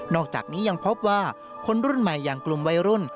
อกจากนี้ยังพบว่าคนรุ่นใหม่อย่างกลุ่มวัยรุ่น